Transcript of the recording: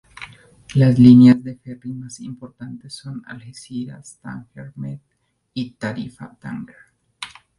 Las líneas de ferry más importantes son Algeciras-Tánger Med, y Tarifa-Tánger.